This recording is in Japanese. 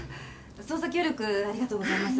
捜査協力ありがとうございます。